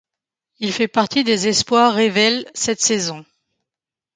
Il fait partie des espoirs révéles cette saison.